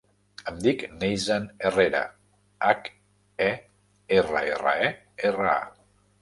Em dic Neizan Herrera: hac, e, erra, erra, e, erra, a.